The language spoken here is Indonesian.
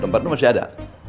tempatnya masih ada